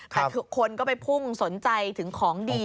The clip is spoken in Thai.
แต่คนก็ไปพุ่งสนใจถึงของดี